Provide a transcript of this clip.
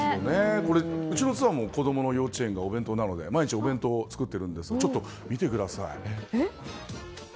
うちの妻も子供の幼稚園がお弁当なので毎日お弁当を作ってるんですがちょっと見てください。